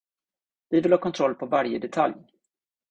Vi vill ha kontroll på varje detalj.